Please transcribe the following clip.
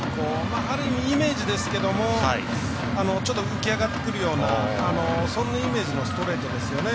ある意味イメージですけどもちょっと浮き上がってくるようなそんなイメージのストレートですよね。